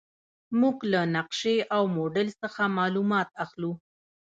موږ له نقشې او موډل څخه معلومات اخلو.